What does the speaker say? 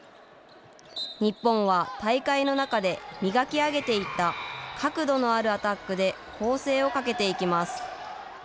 日本は大会の中で磨き上げていった角度のあるアタックで攻勢をかけていきます。